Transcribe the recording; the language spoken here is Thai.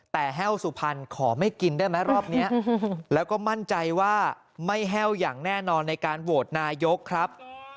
แต่แห้วสุพรรณขอไม่กินได้ไหมรอบนี้แล้วก็มั่นใจว่าไม่แห้วอย่างแน่นอนในการโหวตนายกครับ